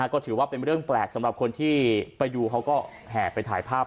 ก็ถือว่าเป็นเรื่องแปลกสำหรับคนที่ไปดูเขาก็แห่ไปถ่ายภาพ